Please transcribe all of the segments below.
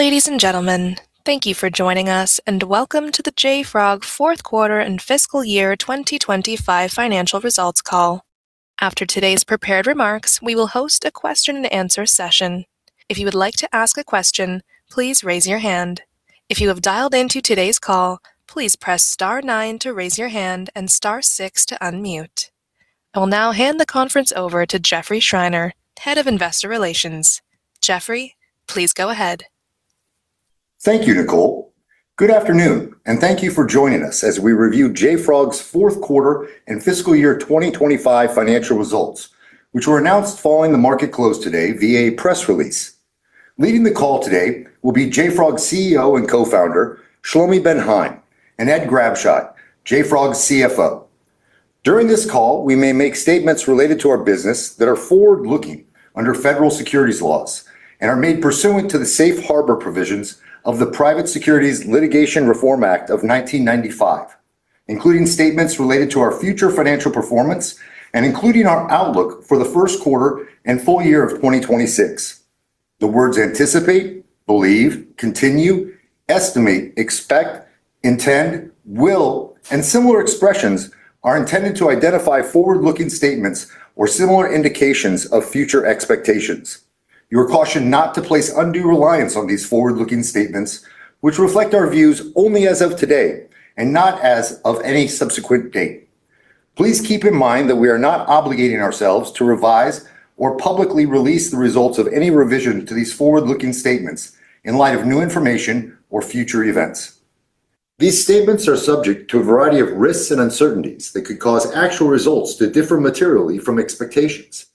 Ladies and gentlemen, thank you for joining us, and welcome to the JFrog fourth quarter and fiscal year 2025 financial results call. After today's prepared remarks, we will host a question and answer session. If you would like to ask a question, please raise your hand. If you have dialed into today's call, please press star nine to raise your hand and star six to unmute. I will now hand the conference over to Jeffrey Schreiner, Head of Investor Relations. Jeffrey, please go ahead. Thank you, Nicole. Good afternoon, and thank you for joining us as we review JFrog's fourth quarter and fiscal year 2025 financial results, which were announced following the market close today via press release. Leading the call today will be JFrog CEO and co-founder, Shlomi Ben Haim, and Ed Grabscheid, JFrog's CFO. During this call, we may make statements related to our business that are forward-looking under federal securities laws and are made pursuant to the safe harbor provisions of the Private Securities Litigation Reform Act of 1995, including statements related to our future financial performance and including our outlook for the first quarter and full year of 2026. The words anticipate, believe, continue, estimate, expect, intend, will, and similar expressions are intended to identify forward-looking statements or similar indications of future expectations. You are cautioned not to place undue reliance on these forward-looking statements, which reflect our views only as of today and not as of any subsequent date. Please keep in mind that we are not obligating ourselves to revise or publicly release the results of any revision to these forward-looking statements in light of new information or future events. These statements are subject to a variety of risks and uncertainties that could cause actual results to differ materially from expectations.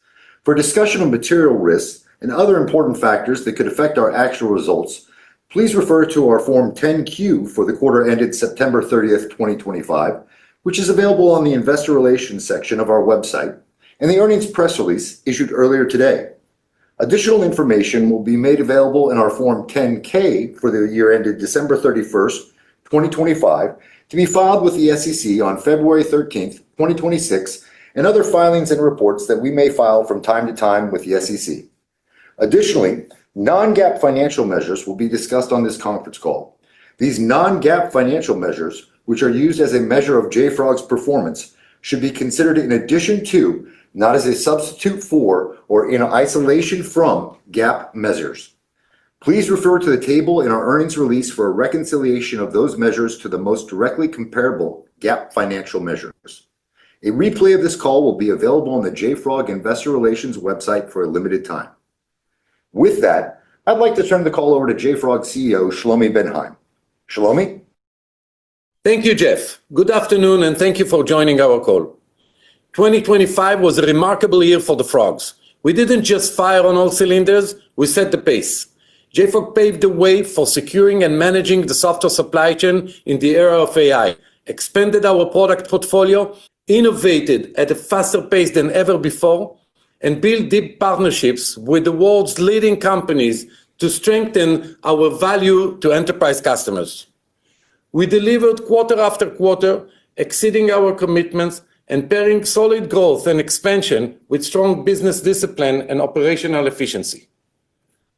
For a discussion of material risks and other important factors that could affect our actual results, please refer to our Form 10-Q for the quarter ended September 30th, 2025, which is available on the investor relations section of our website, and the earnings press release issued earlier today. Additional information will be made available in our Form 10-K for the year ended December 31st, 2025, to be filed with the SEC on February 13th, 2026, and other filings and reports that we may file from time to time with the SEC. Additionally, non-GAAP financial measures will be discussed on this conference call. These non-GAAP financial measures, which are used as a measure of JFrog's performance, should be considered in addition to, not as a substitute for or in isolation from GAAP measures. Please refer to the table in our earnings release for a reconciliation of those measures to the most directly comparable GAAP financial measures. A replay of this call will be available on the JFrog Investor Relations website for a limited time. With that, I'd like to turn the call over to JFrog CEO, Shlomi Ben Haim. Shlomi? Thank you, Jeff. Good afternoon, and thank you for joining our call. 2025 was a remarkable year for the Frogs. We didn't just fire on all cylinders, we set the pace. JFrog paved the way for securing and managing the software supply chain in the era of AI, expanded our product portfolio, innovated at a faster pace than ever before, and built deep partnerships with the world's leading companies to strengthen our value to enterprise customers. We delivered quarter after quarter, exceeding our commitments and pairing solid growth and expansion with strong business discipline and operational efficiency.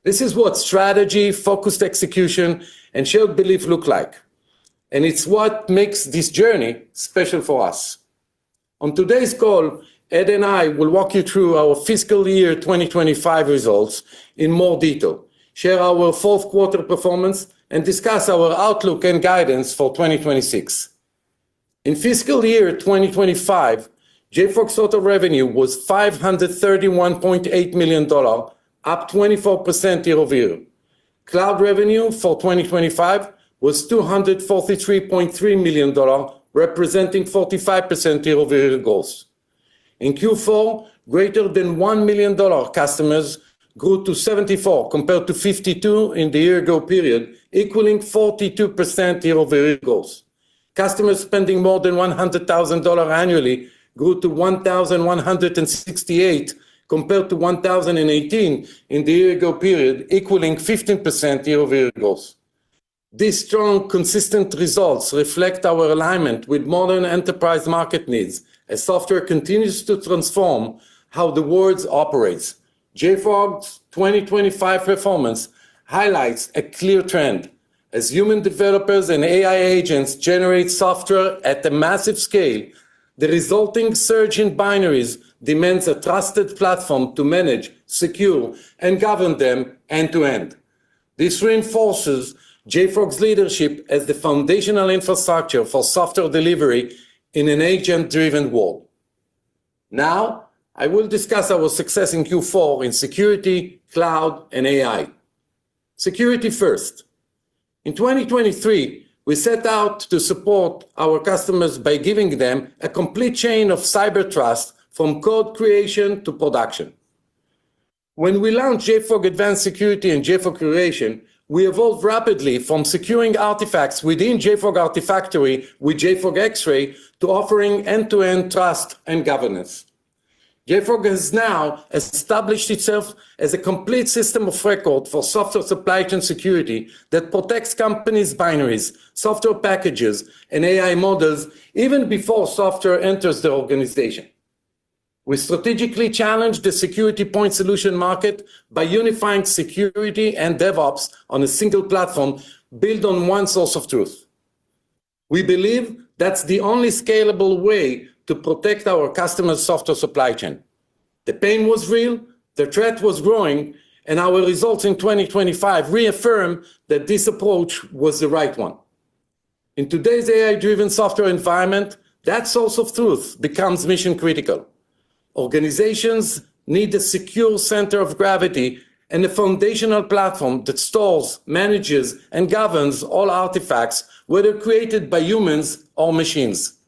This is what strategy, focused execution, and shared belief look like, and it's what makes this journey special for us. On today's call, Ed and I will walk you through our fiscal year 2025 results in more detail, share our fourth quarter performance, and discuss our outlook and guidance for 2026. In fiscal year 2025, JFrog's total revenue was $531.8 million, up 24% year-over-year. Cloud revenue for 2025 was $243.3 million, representing 45% year-over-year growth. In Q4, greater than $1 million customers grew to 74%, compared to 52 in the year ago period, equaling 42% year-over-year growth. Customers spending more than $100,000 annually grew to 1,168, compared to 1,018 in the year ago period, equaling 15% year-over-year growth. These strong, consistent results reflect our alignment with modern enterprise market needs as software continues to transform how the world operates. JFrog's 2025 performance highlights a clear trend. As human developers and AI agents generate software at a massive scale, the resulting surge in binaries demands a trusted platform to manage, secure, and govern them end to end. This reinforces JFrog's leadership as the foundational infrastructure for software delivery in an agent-driven world. Now, I will discuss our success in Q4 in security, cloud, and AI. Security first. In 2023, we set out to support our customers by giving them a complete chain of cyber trust from code creation to production. When we launched JFrog Advanced Security and JFrog Curation, we evolved rapidly from securing artifacts within JFrog Artifactory with JFrog Xray to offering end-to-end trust and governance. JFrog has now established itself as a complete system of record for software supply chain security that protects companies' binaries, software packages, and AI models even before software enters the organization. We strategically challenged the security point solution market by unifying security and DevOps on a single platform built on one source of truth. We believe that's the only scalable way to protect our customers' software supply chain. The pain was real, the threat was growing, and our results in 2025 reaffirmed that this approach was the right one. In today's AI-driven software environment, that source of truth becomes mission-critical. Organizations need a secure center of gravity and a foundational platform that stores, manages, and governs all artifacts, whether created by humans or machines.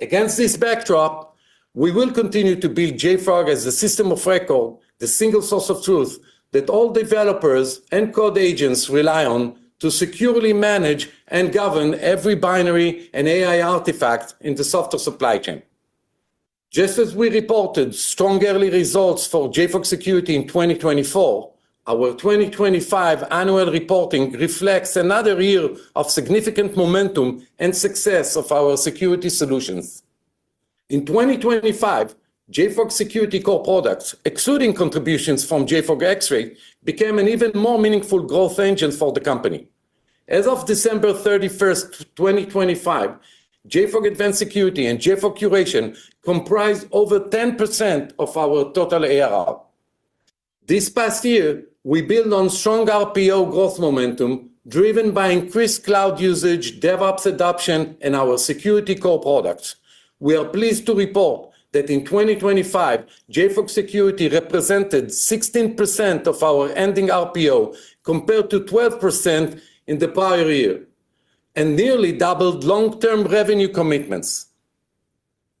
Against this backdrop, we will continue to build JFrog as the system of record, the single source of truth that all developers and code agents rely on to securely manage and govern every binary and AI artifact in the software supply chain. Just as we reported strong early results for JFrog Security in 2024, our 2025 annual reporting reflects another year of significant momentum and success of our security solutions. In 2025, JFrog Security Core products, excluding contributions from JFrog Xray, became an even more meaningful growth engine for the company. As of December 31st, 2025, JFrog Advanced Security and JFrog Curation comprised over 10% of our total ARR. This past year, we built on strong RPO growth momentum, driven by increased cloud usage, DevOps adoption, and our security core products. We are pleased to report that in 2025, JFrog Security represented 16% of our ending RPO, compared to 12% in the prior year, and nearly doubled long-term revenue commitments.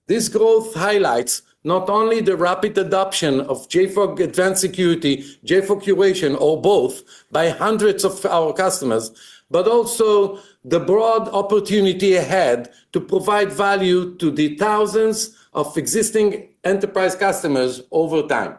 This growth highlights not only the rapid adoption of JFrog Advanced Security, JFrog Curation, or both by hundreds of our customers, but also the broad opportunity ahead to provide value to the thousands of existing enterprise customers over time.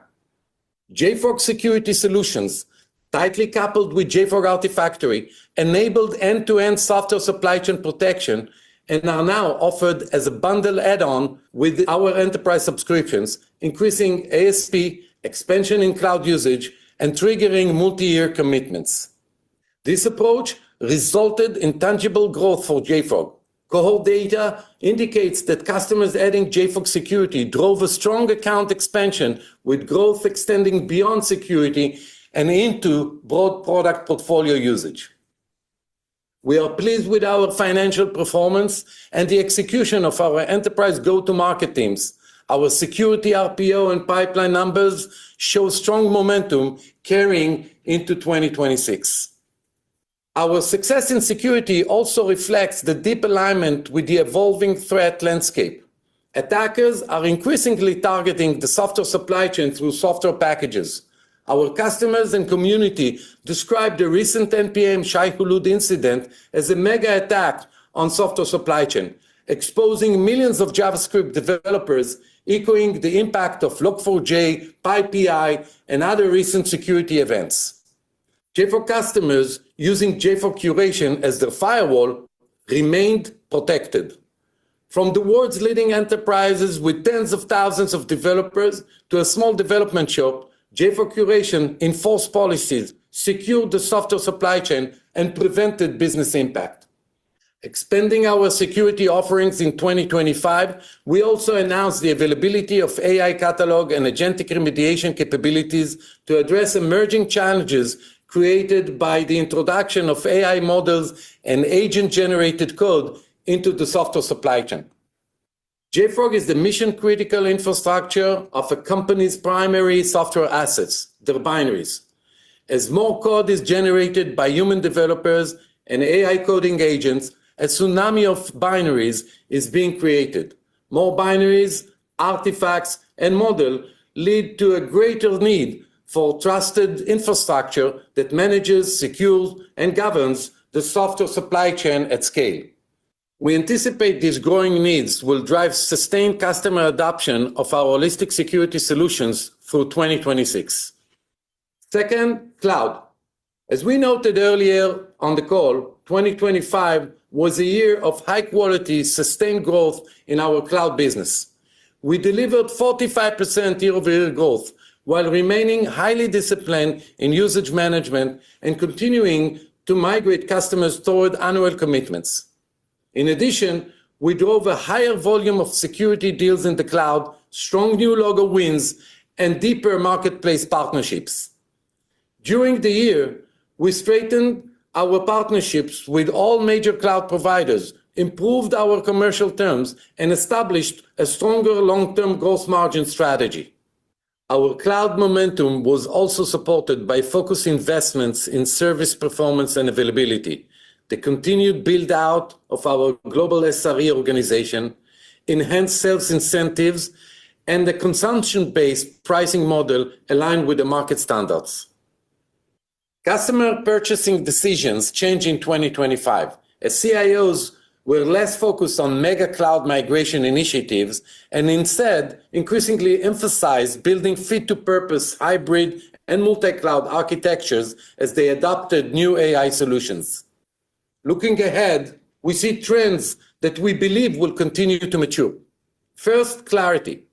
JFrog Security Solutions, tightly coupled with JFrog Artifactory, enabled end-to-end software supply chain protection, and are now offered as a bundle add-on with our enterprise subscriptions, increasing ASP expansion in cloud usage and triggering multi-year commitments. This approach resulted in tangible growth for JFrog. Cohort data indicates that customers adding JFrog Security drove a strong account expansion, with growth extending beyond security and into broad product portfolio usage. We are pleased with our financial performance and the execution of our enterprise go-to-market teams. Our security RPO and pipeline numbers show strong momentum carrying into 2026. Our success in security also reflects the deep alignment with the evolving threat landscape. Attackers are increasingly targeting the software supply chain through software packages. Our customers and community described the recent npm Shai-Hulud incident as a mega attack on software supply chain, exposing millions of JavaScript developers, echoing the impact of Log4j, PyPI, and other recent security events. JFrog customers using JFrog Curation as their firewall remained protected. From the world's leading enterprises with tens of thousands of developers to a small development shop, JFrog Curation enforced policies, secured the software supply chain, and prevented business impact. Expanding our security offerings in 2025, we also announced the availability of AI Catalog and Agentic Remediation capabilities to address emerging challenges created by the introduction of AI models and agent-generated code into the software supply chain. JFrog is the mission-critical infrastructure of a company's primary software assets, their binaries. As more code is generated by human developers and AI coding agents, a tsunami of binaries is being created. More binaries, artifacts, and models lead to a greater need for trusted infrastructure that manages, secures, and governs the software supply chain at scale. We anticipate these growing needs will drive sustained customer adoption of our holistic security solutions through 2026. Second, cloud. As we noted earlier on the call, 2025 was a year of high-quality, sustained growth in our cloud business. We delivered 45% year-over-year growth while remaining highly disciplined in usage management and continuing to migrate customers toward annual commitments. In addition, we drove a higher volume of security deals in the cloud, strong new logo wins, and deeper marketplace partnerships. During the year, we strengthened our partnerships with all major cloud providers, improved our commercial terms, and established a stronger long-term growth margin strategy. Our cloud momentum was also supported by focused investments in service performance and availability, the continued build-out of our global SRE organization, enhanced sales incentives, and the consumption-based pricing model aligned with the market standards. Customer purchasing decisions changed in 2025, as CIOs were less focused on mega cloud migration initiatives and instead increasingly emphasized building fit-to-purpose hybrid and multi-cloud architectures as they adopted new AI solutions.... Looking ahead, we see trends that we believe will continue to mature. First, clarity.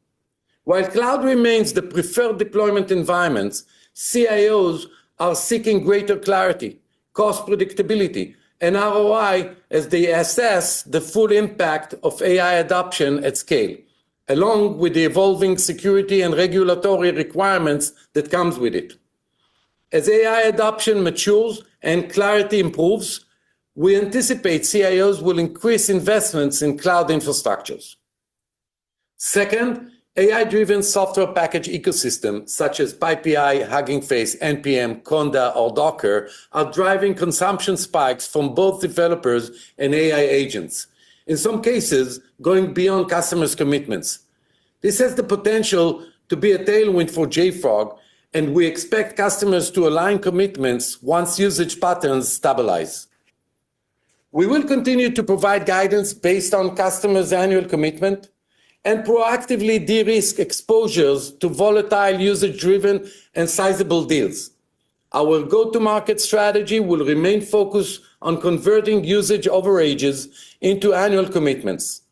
While cloud remains the preferred deployment environment, CIOs are seeking greater clarity, cost predictability, and ROI as they assess the full impact of AI adoption at scale, along with the evolving security and regulatory requirements that comes with it. As AI adoption matures and clarity improves, we anticipate CIOs will increase investments in cloud infrastructures. Second, AI-driven software package ecosystem, such as PyPI, Hugging Face, npm, Conda, or Docker, are driving consumption spikes from both developers and AI agents, in some cases, going beyond customers' commitments. This has the potential to be a tailwind for JFrog, and we expect customers to align commitments once usage patterns stabilize. We will continue to provide guidance based on customers' annual commitment and proactively de-risk exposures to volatile usage-driven and sizable deals. Our go-to-market strategy will remain focused on converting usage overages into annual commitments.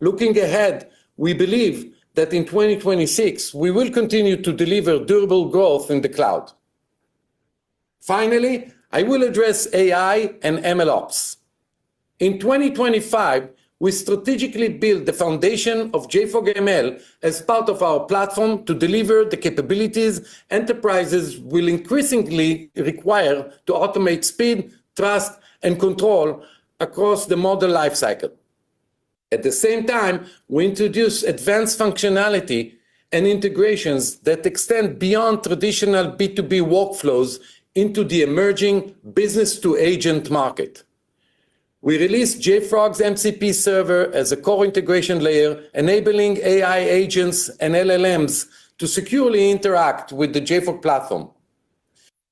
Looking ahead, we believe that in 2026, we will continue to deliver durable growth in the cloud. Finally, I will address AI and MLOps. In 2025, we strategically built the foundation of JFrog ML as part of our platform to deliver the capabilities enterprises will increasingly require to automate speed, trust, and control across the model lifecycle. At the same time, we introduce advanced functionality and integrations that extend beyond traditional B2B workflows into the emerging business-to-agent market. We released JFrog's MCP server as a core integration layer, enabling AI agents and LLMs to securely interact with the JFrog platform.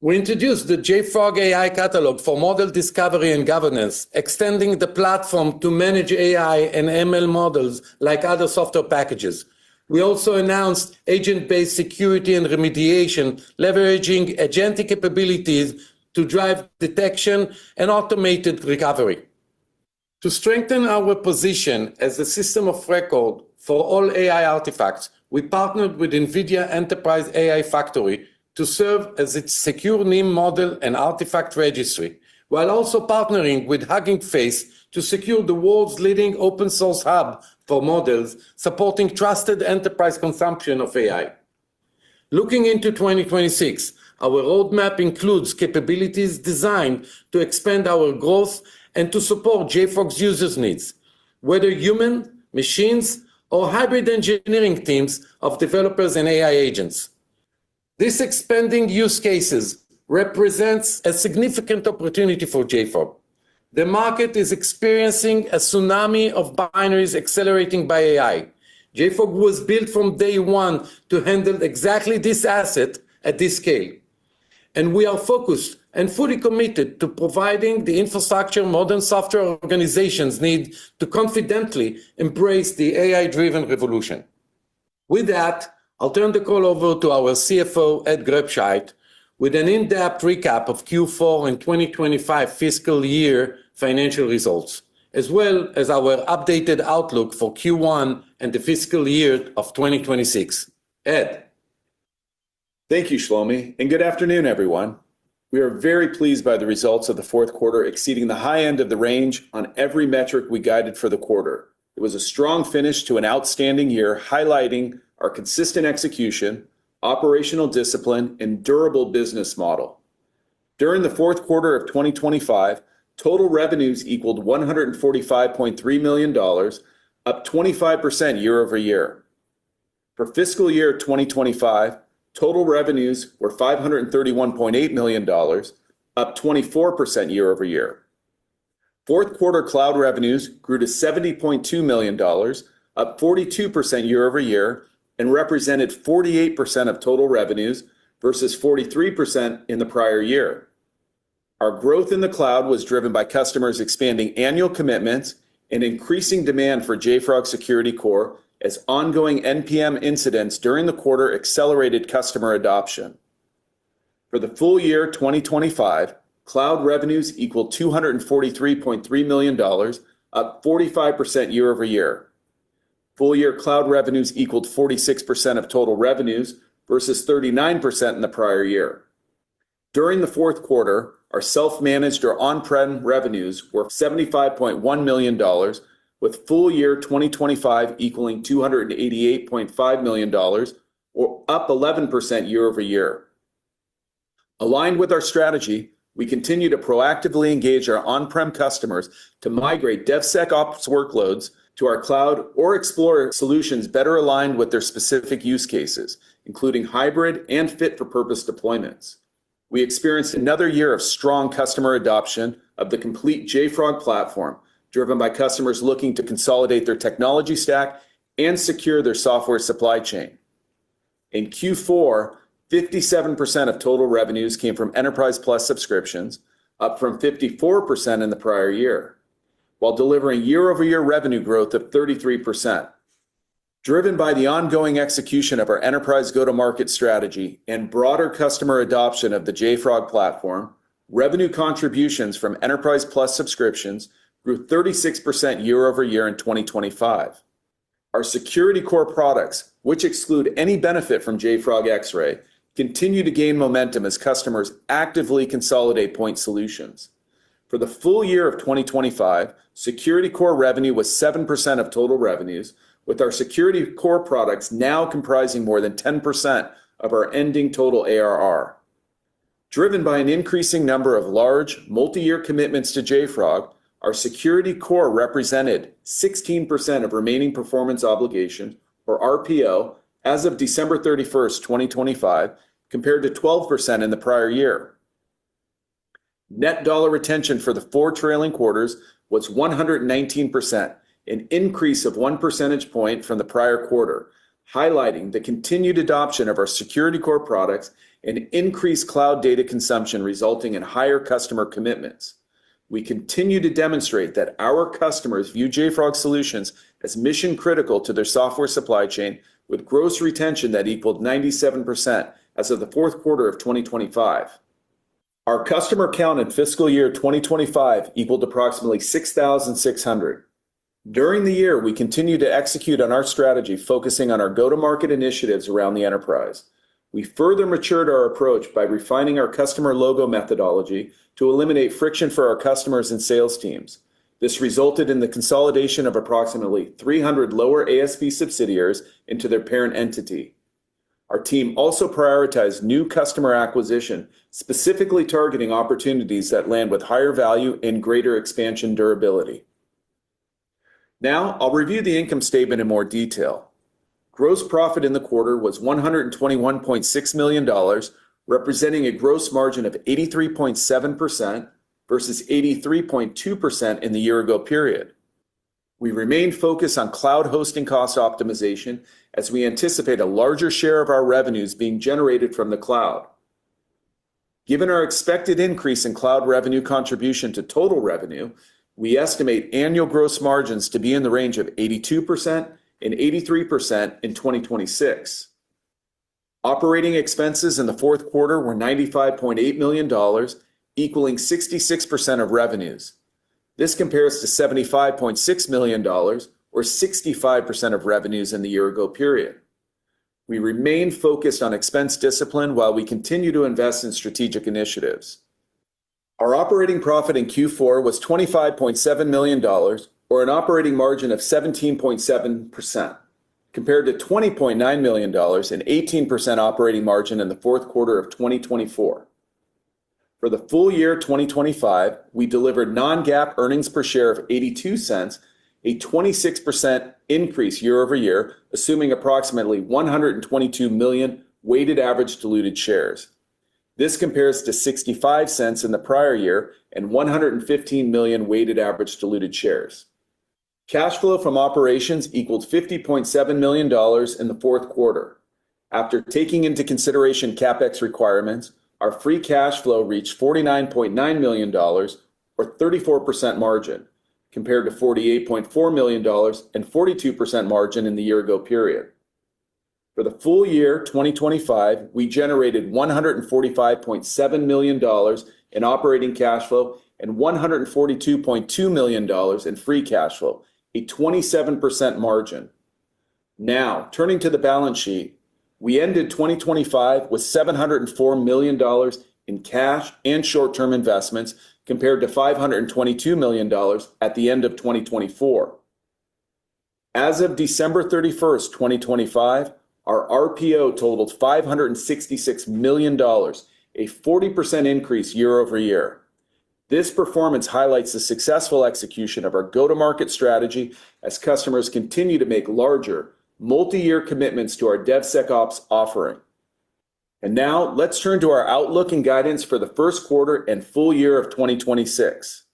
We introduced the JFrog AI Catalog for model discovery and governance, extending the platform to manage AI and ML models like other software packages. We also announced agent-based security and remediation, leveraging agentic capabilities to drive detection and automated recovery. To strengthen our position as a system of record for all AI artifacts, we partnered with NVIDIA Enterprise AI Factory to serve as its secure NIM model and artifact registry, while also partnering with Hugging Face to secure the world's leading open source hub for models supporting trusted enterprise consumption of AI. Looking into 2026, our roadmap includes capabilities designed to expand our growth and to support JFrog's users' needs, whether human, machines, or hybrid engineering teams of developers and AI agents. These expanding use cases represents a significant opportunity for JFrog. The market is experiencing a tsunami of binaries accelerating by AI. JFrog was built from day one to handle exactly this asset at this scale, and we are focused and fully committed to providing the infrastructure modern software organizations need to confidently embrace the AI-driven revolution. With that, I'll turn the call over to our CFO, Ed Grabscheid, with an in-depth recap of Q4 and 2025 fiscal year financial results, as well as our updated outlook for Q1 and the fiscal year of 2026. Ed? Thank you, Shlomi, and good afternoon, everyone. We are very pleased by the results of the fourth quarter, exceeding the high end of the range on every metric we guided for the quarter. It was a strong finish to an outstanding year, highlighting our consistent execution, operational discipline, and durable business model. During the fourth quarter of 2025, total revenues equaled $145.3 million, up 25% year-over-year. For fiscal year 2025, total revenues were $531.8 million, up 24% year-over-year. Fourth quarter cloud revenues grew to $70.2 million, up 42% year-over-year, and represented 48% of total revenues, versus 43% in the prior year. Our growth in the cloud was driven by customers expanding annual commitments and increasing demand for JFrog Security Core as ongoing npm incidents during the quarter accelerated customer adoption. For the full year 2025, cloud revenues equaled $243.3 million, up 45% year-over-year. Full year cloud revenues equaled 46% of total revenues, versus 39% in the prior year. During the fourth quarter, our self-managed or on-prem revenues were $75.1 million, with full year 2025 equaling $288.5 million or up 11% year-over-year. Aligned with our strategy, we continue to proactively engage our on-prem customers to migrate DevSecOps workloads to our cloud or explore solutions better aligned with their specific use cases, including hybrid and fit-for-purpose deployments. We experienced another year of strong customer adoption of the complete JFrog platform, driven by customers looking to consolidate their technology stack and secure their software supply chain. In Q4, 57% of total revenues came from Enterprise Plus subscriptions, up from 54% in the prior year, while delivering year-over-year revenue growth of 33%. Driven by the ongoing execution of our enterprise go-to-market strategy and broader customer adoption of the JFrog platform, revenue contributions from Enterprise Plus subscriptions grew 36% year-over-year in 2025. Our Security Core products, which exclude any benefit from JFrog Xray, continue to gain momentum as customers actively consolidate point solutions. For the full year of 2025, Security Core revenue was 7% of total revenues, with our Security Core products now comprising more than 10% of our ending total ARR. Driven by an increasing number of large, multi-year commitments to JFrog, our Security Core represented 16% of remaining performance obligation, or RPO, as of December 31st, 2025, compared to 12% in the prior year. Net dollar retention for the four trailing quarters was 119%, an increase of 1 percentage point from the prior quarter, highlighting the continued adoption of our Security Core products and increased cloud data consumption, resulting in higher customer commitments. We continue to demonstrate that our customers view JFrog solutions as mission-critical to their software supply chain, with gross retention that equaled 97% as of the fourth quarter of 2025. Our customer count in fiscal year 2025 equaled approximately 6,600. During the year, we continued to execute on our strategy, focusing on our go-to-market initiatives around the enterprise. We further matured our approach by refining our customer logo methodology to eliminate friction for our customers and sales teams. This resulted in the consolidation of approximately 300 lower ASP subsidiaries into their parent entity. Our team also prioritized new customer acquisition, specifically targeting opportunities that land with higher value and greater expansion durability. Now, I'll review the income statement in more detail. Gross profit in the quarter was $121.6 million, representing a gross margin of 83.7% versus 83.2% in the year ago period. We remained focused on cloud hosting cost optimization as we anticipate a larger share of our revenues being generated from the cloud. Given our expected increase in cloud revenue contribution to total revenue, we estimate annual gross margins to be in the range of 82%-83% in 2026. Operating expenses in the fourth quarter were $95.8 million, equaling 66% of revenues. This compares to $75.6 million, or 65% of revenues in the year ago period. We remain focused on expense discipline while we continue to invest in strategic initiatives. Our operating profit in Q4 was $25.7 million, or an operating margin of 17.7%, compared to $20.9 million and 18% operating margin in the fourth quarter of 2024. For the full year 2025, we delivered non-GAAP earnings per share of $0.82, a 26% increase year-over-year, assuming approximately 122 million weighted average diluted shares. This compares to $0.65 in the prior year and 115 million weighted average diluted shares. Cash flow from operations equaled $50.7 million in the fourth quarter. After taking into consideration CapEx requirements, our free cash flow reached $49.9 million, or 34% margin, compared to $48.4 million and 42% margin in the year ago period. For the full year 2025, we generated $145.7 million in operating cash flow and $142.2 million in free cash flow, a 27% margin. Now, turning to the balance sheet. We ended 2025 with $704 million in cash and short-term investments, compared to $522 million at the end of 2024. As of December 31st, 2025, our RPO totaled $566 million, a 40% increase year-over-year. This performance highlights the successful execution of our go-to-market strategy as customers continue to make larger, multi-year commitments to our DevSecOps offering. And now, let's turn to our outlook and guidance for the first quarter and full year of 2026.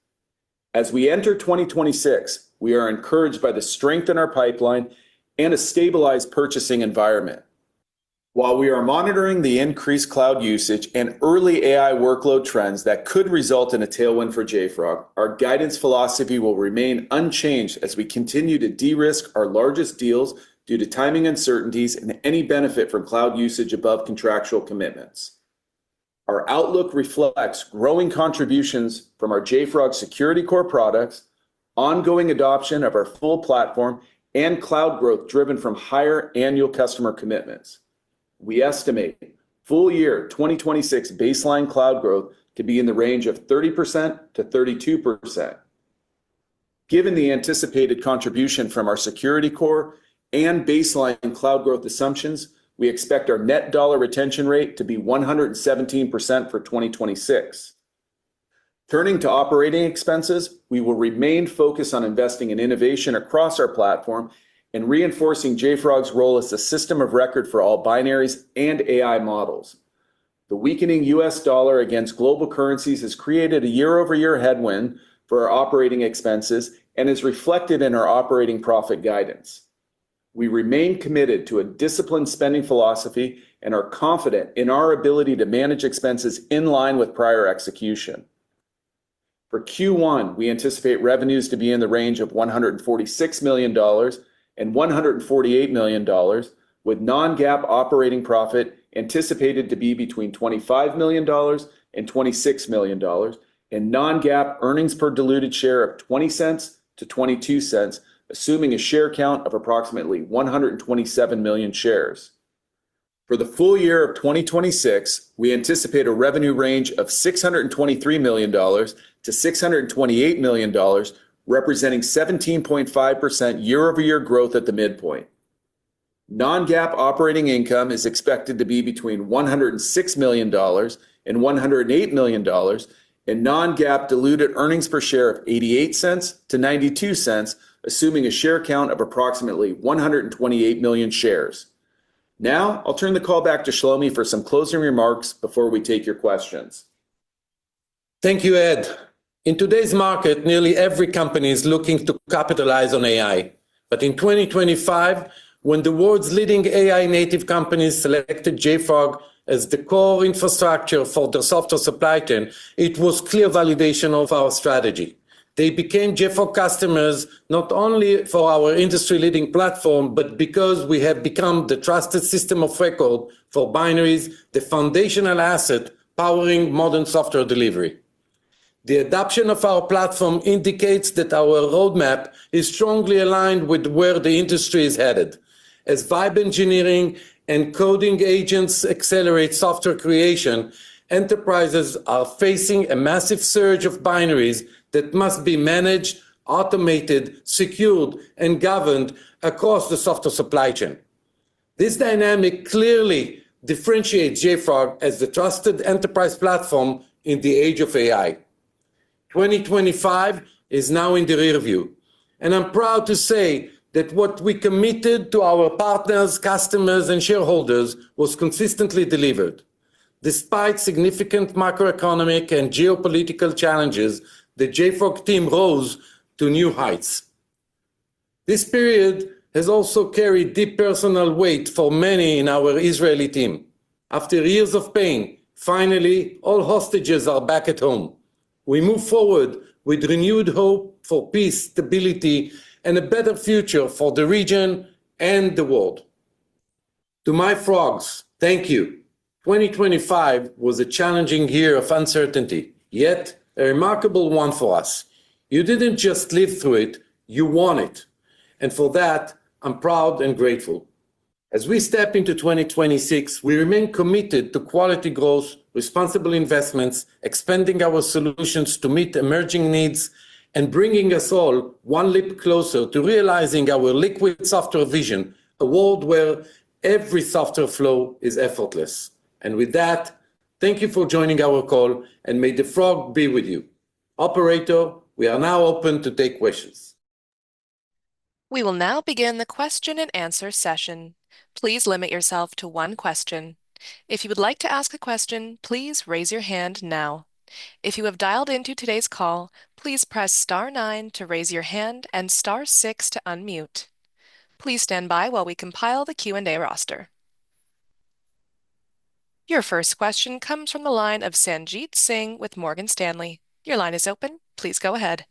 As we enter 2026, we are encouraged by the strength in our pipeline and a stabilized purchasing environment. While we are monitoring the increased cloud usage and early AI workload trends that could result in a tailwind for JFrog, our guidance philosophy will remain unchanged as we continue to de-risk our largest deals due to timing uncertainties and any benefit from cloud usage above contractual commitments. Our outlook reflects growing contributions from our JFrog Security Core products, ongoing adoption of our full platform, and cloud growth driven from higher annual customer commitments. We estimate full year 2026 baseline cloud growth to be in the range of 30%-32%. Given the anticipated contribution from our Security Core and baseline cloud growth assumptions, we expect our net dollar retention rate to be 117% for 2026. Turning to operating expenses, we will remain focused on investing in innovation across our platform and reinforcing JFrog's role as the system of record for all binaries and AI models. The weakening U.S. dollar against global currencies has created a year-over-year headwind for our operating expenses and is reflected in our operating profit guidance. We remain committed to a disciplined spending philosophy and are confident in our ability to manage expenses in line with prior execution. For Q1, we anticipate revenues to be in the range of $146 million-$148 million, with non-GAAP operating profit anticipated to be between $25 million and $26 million, and non-GAAP earnings per diluted share of $0.20-$0.22, assuming a share count of approximately 127 million shares. For the full year of 2026, we anticipate a revenue range of $623 million-$628 million, representing 17.5% year-over-year growth at the midpoint. Non-GAAP operating income is expected to be between $106 million and $108 million, and non-GAAP diluted earnings per share of $0.88-$0.92, assuming a share count of approximately 128 million shares. Now, I'll turn the call back to Shlomi for some closing remarks before we take your questions. Thank you, Ed. In today's market, nearly every company is looking to capitalize on AI. But in 2025, when the world's leading AI native companies selected JFrog as the core infrastructure for their software supply chain, it was clear validation of our strategy. They became JFrog customers, not only for our industry-leading platform, but because we have become the trusted system of record for binaries, the foundational asset powering modern software delivery. The adoption of our platform indicates that our roadmap is strongly aligned with where the industry is headed. As Vibe Engineering and coding agents accelerate software creation, enterprises are facing a massive surge of binaries that must be managed, automated, secured, and governed across the software supply chain. This dynamic clearly differentiates JFrog as the trusted enterprise platform in the age of AI. 2025 is now in the rearview, and I'm proud to say that what we committed to our partners, customers, and shareholders was consistently delivered. Despite significant macroeconomic and geopolitical challenges, the JFrog team rose to new heights. This period has also carried deep personal weight for many in our Israeli team. After years of pain, finally, all hostages are back at home. We move forward with renewed hope for peace, stability, and a better future for the region and the world. To my Frogs, thank you. 2025 was a challenging year of uncertainty, yet a remarkable one for us. You didn't just live through it, you won it, and for that, I'm proud and grateful. As we step into 2026, we remain committed to quality growth, responsible investments, expanding our solutions to meet emerging needs, and bringing us all one leap closer to realizing our liquid software vision, a world where every software flow is effortless. With that, thank you for joining our call, and may the Frog be with you. Operator, we are now open to take questions. We will now begin the question and answer session. Please limit yourself to one question. If you would like to ask a question, please raise your hand now. If you have dialed into today's call, please press star nine to raise your hand and star six to unmute. Please stand by while we compile the Q&A roster. Your first question comes from the line of Sanjit Singh with Morgan Stanley. Your line is open. Please go ahead.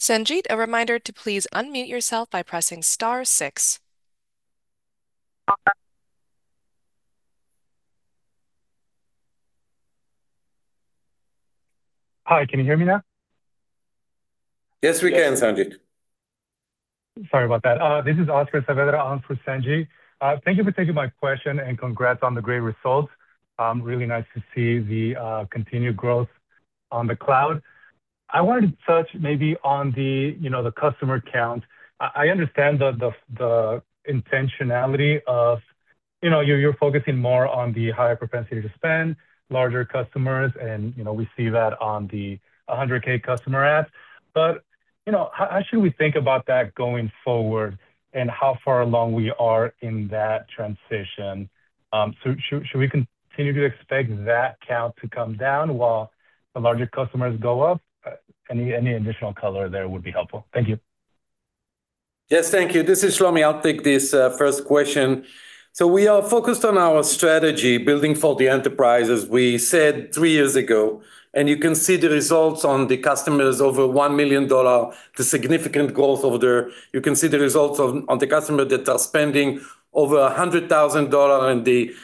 Sanjit, a reminder to please unmute yourself by pressing star six. Hi, can you hear me now? Yes, we can, Sanjit. Sorry about that. This is Oscar Saavedra in for Sanjit. Thank you for taking my question, and congrats on the great results. Really nice to see the continued growth on the cloud. I wanted to touch maybe on the, you know, the customer count. I understand the intentionality of, you know, you're focusing more on the higher propensity to spend, larger customers, and, you know, we see that on the 100K customer adds. But, you know, how should we think about that going forward and how far along we are in that transition? So should we continue to expect that count to come down while the larger customers go up? Any additional color there would be helpful. Thank you. Yes, thank you. This is Shlomi. I'll take this first question. So we are focused on our strategy, building for the enterprise, as we said three years ago, and you can see the results on the customers over $1 million, the significant growth over there. You can see the results on the customers that are spending over $100,000 and the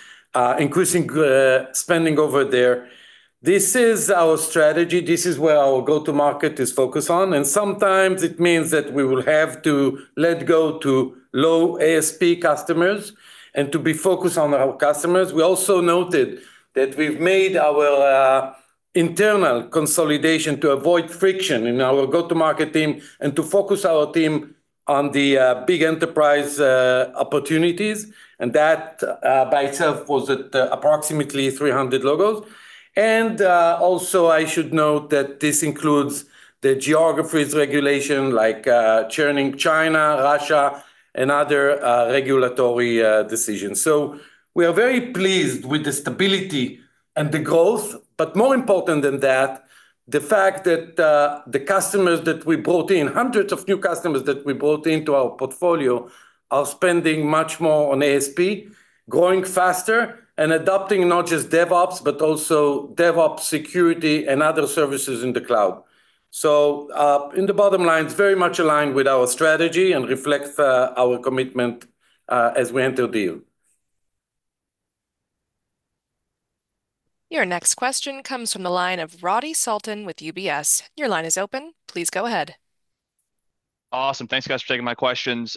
increasing spending over there. This is our strategy. This is where our go-to-market is focused on, and sometimes it means that we will have to let go low ASP customers and to be focused on our customers. We also noted that we've made our internal consolidation to avoid friction in our go-to-market team and to focus our team on the big enterprise opportunities, and that by itself was at approximately 300 logos. Also, I should note that this includes the geographic regulations, like, churn in China, Russia, and other regulatory decisions. So we are very pleased with the stability and the growth, but more important than that, the fact that the customers that we brought in, hundreds of new customers that we brought into our portfolio, are spending much more on ASP, growing faster, and adopting not just DevOps, but also DevSecOps and other services in the cloud. So, in the bottom line, it's very much aligned with our strategy and reflects our commitment as we enter deals. Your next question comes from the line of Radi Sultan with UBS. Your line is open. Please go ahead. Awesome. Thanks, guys, for taking my questions.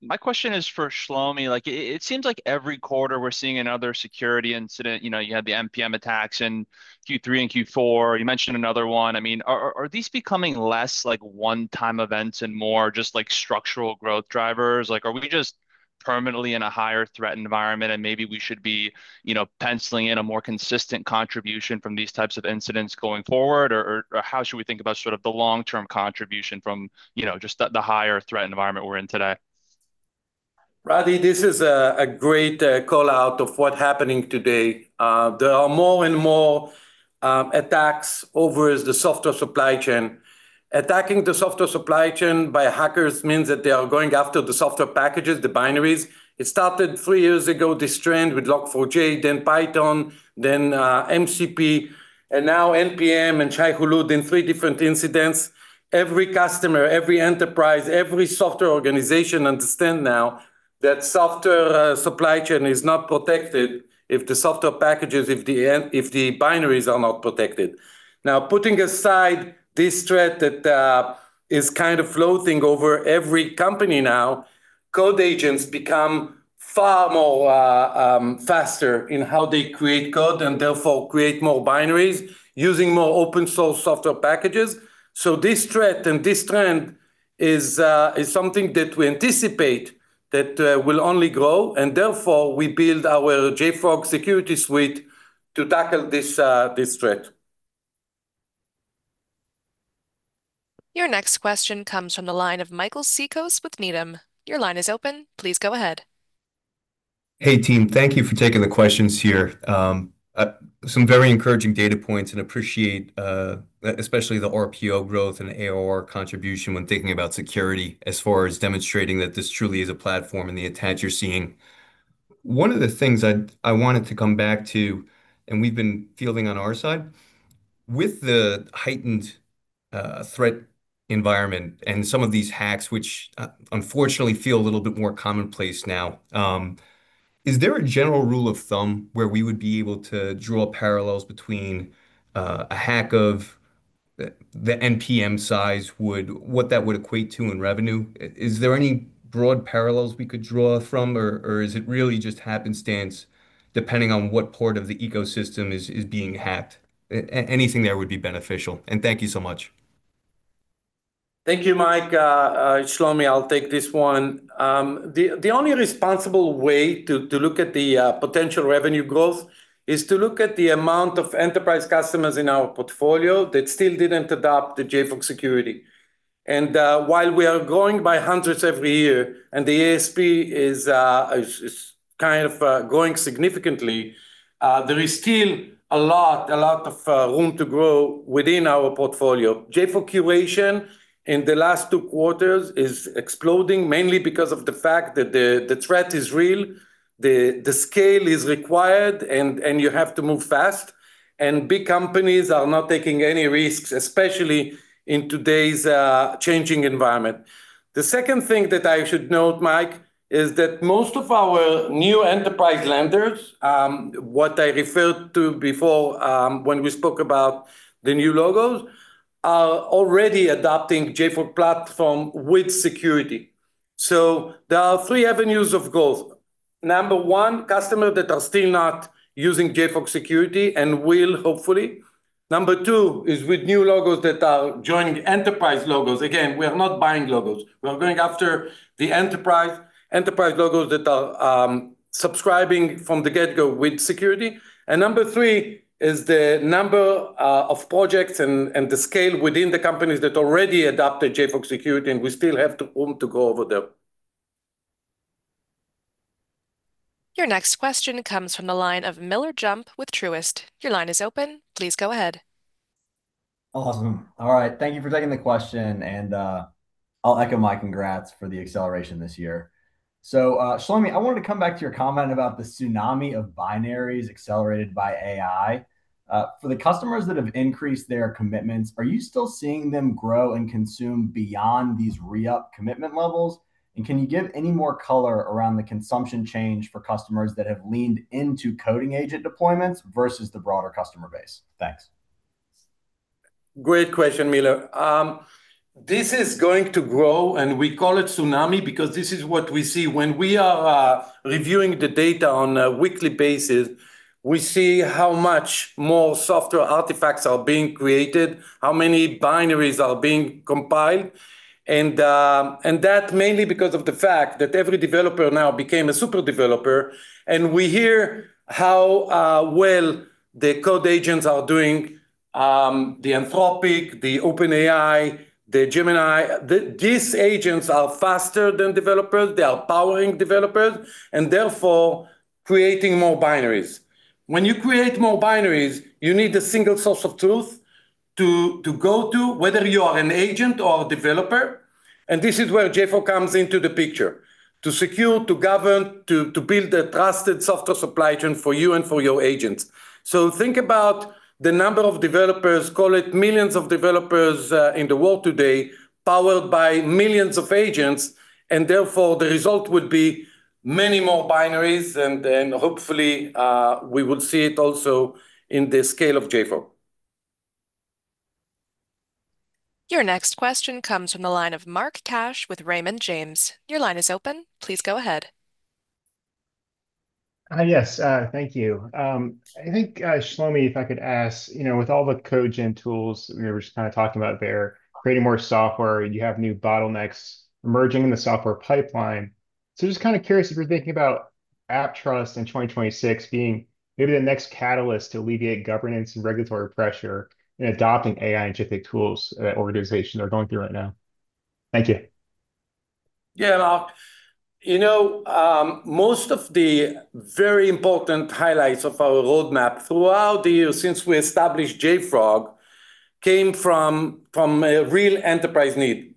My question is for Shlomi. Like, it seems like every quarter we're seeing another security incident. You know, you had the npm attacks in Q3 and Q4. You mentioned another one. I mean, are, are, are these becoming less like one-time events and more just, like, structural growth drivers? Like, are we just permanently in a higher threat environment, and maybe we should be, you know, penciling in a more consistent contribution from these types of incidents going forward? Or, or, or how should we think about sort of the long-term contribution from, you know, just the, the higher threat environment we're in today? Roddy, this is a great call-out of what's happening today. There are more and more attacks over the software supply chain. Attacking the software supply chain by hackers means that they are going after the software packages, the binaries. It started three years ago, this trend, with Log4j, then Python, then MCP, and now npm and Shai-Hulud in three different incidents. Every customer, every enterprise, every software organization understands now that software supply chain is not protected if the software packages, if the binaries are not protected. Now, putting aside this threat that is kind of floating over every company now, code agents become far more faster in how they create code, and therefore create more binaries using more open source software packages. This threat and this trend is something that we anticipate that will only grow, and therefore, we build our JFrog Security Suite to tackle this threat. Your next question comes from the line of Michael Cikos with Needham. Your line is open. Please go ahead. Hey, team. Thank you for taking the questions here. Some very encouraging data points, and appreciate, especially the RPO growth and ARR contribution when thinking about security, as far as demonstrating that this truly is a platform and the attach you're seeing. One of the things I wanted to come back to, and we've been fielding on our side, with the heightened threat environment and some of these hacks, which unfortunately feel a little bit more commonplace now, is there a general rule of thumb where we would be able to draw parallels between a hack of the npm size would-what that would equate to in revenue? Is there any broad parallels we could draw from, or is it really just happenstance, depending on what part of the ecosystem is being hacked? Anything there would be beneficial, and thank you so much. Thank you, Mike. Shlomi, I'll take this one. The only responsible way to look at the potential revenue growth is to look at the amount of enterprise customers in our portfolio that still didn't adopt the JFrog Security. While we are growing by hundreds every year, and the ASP is kind of growing significantly, there is still a lot of room to grow within our portfolio. JFrog Curation in the last two quarters is exploding, mainly because of the fact that the threat is real, the scale is required, and you have to move fast, and big companies are not taking any risks, especially in today's changing environment. The second thing that I should note, Mike, is that most of our new enterprise lenders, what I referred to before, when we spoke about the new logos, are already adopting JFrog Platform with security. So there are three avenues of growth. Number one, customers that are still not using JFrog Security and will hopefully. Number two is with new logos that are joining enterprise logos. Again, we are not buying logos. We are going after the enterprise, enterprise logos that are, subscribing from the get-go with security. And number three is the number, of projects and, and the scale within the companies that already adopted JFrog Security, and we still have the room to go over them. Your next question comes from the line of Miller Jump with Truist. Your line is open. Please go ahead. Awesome. All right, thank you for taking the question, and, I'll echo my congrats for the acceleration this year. So, Shlomi, I wanted to come back to your comment about the tsunami of binaries accelerated by AI. For the customers that have increased their commitments, are you still seeing them grow and consume beyond these re-up commitment levels? And can you give any more color around the consumption change for customers that have leaned into coding agent deployments versus the broader customer base? Thanks. Great question, Miller. This is going to grow, and we call it tsunami because this is what we see. When we are reviewing the data on a weekly basis, we see how much more software artifacts are being created, how many binaries are being compiled, and that mainly because of the fact that every developer now became a super developer, and we hear how well the code agents are doing, the Anthropic, the OpenAI, the Gemini, the, these agents are faster than developers, they are powering developers, and therefore creating more binaries. When you create more binaries, you need a single source of truth to, to go to, whether you are an agent or a developer, and this is where JFrog comes into the picture, to secure, to govern, to, to build a trusted software supply chain for you and for your agents. So think about the number of developers, call it millions of developers, in the world today, powered by millions of agents, and therefore, the result would be many more binaries, and then hopefully, we will see it also in the scale of JFrog. Your next question comes from the line of Mark Cash with Raymond James. Your line is open, please go ahead. Yes, thank you. I think, Shlomi, if I could ask, you know, with all the code gen tools we were just kind of talking about there, creating more software, you have new bottlenecks emerging in the software pipeline. So just kind of curious if you're thinking about AppTrust in 2026 being maybe the next catalyst to alleviate governance and regulatory pressure in adopting AI and generative tools that organizations are going through right now. Thank you. Yeah, Mark, you know, most of the very important highlights of our roadmap throughout the year since we established JFrog came from a real enterprise need.